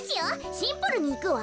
シンプルにいくわ。